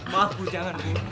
maaf bu jangan bu